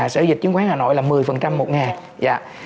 sở dịch chứng khoán hà nội là một mươi một ngày